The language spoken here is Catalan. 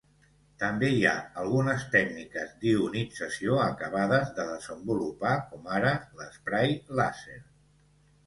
També hi ha algunes tècniques d'ionització acabades de desenvolupar com ara l'esprai làser.